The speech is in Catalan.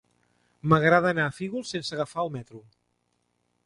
M'agradaria anar a Fígols sense agafar el metro.